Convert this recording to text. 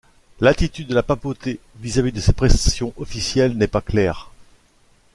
L'attitude de la papauté vis-à-vis de ces pressions officielles n'est pas claire.